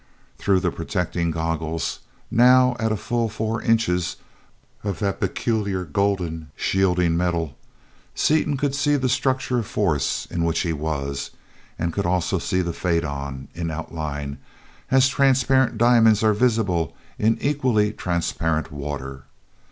Through the protecting goggles, now a full four inches of that peculiar, golden, shielding metal, Seaton could see the structure of force in which he was, and could also see the faidon in outline, as transparent diamonds are visible in equally transparent water.